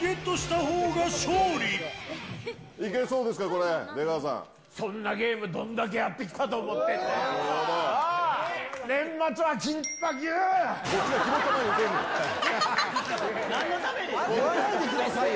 いけそうですか、これ、そんなゲーム、どんだけやってきたと思ってんだよ。